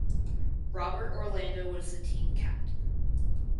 Robert Orlando was the team captain.